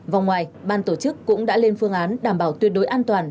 vòng ngoài ban tổ chức cũng đã lên phương án đảm bảo tuyệt đối an toàn